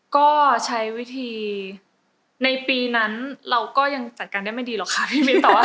ก็ใช้วิธีในปีนั้นเราก็ยังจัดการได้ไม่ดีหรอกค่ะ